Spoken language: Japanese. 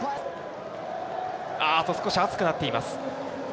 あーっと、少し熱くなっています。